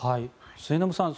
末延さん